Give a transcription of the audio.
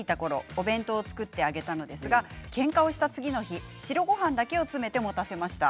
お弁当を作ってあげたのですがけんかをした次の日白ごはんだけを詰めて持たせました。